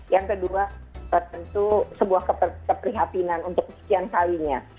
yang kedua tentu sebuah keprihatinan untuk kesekian kalinya